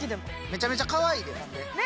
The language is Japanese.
めちゃめちゃかわいいでほんで。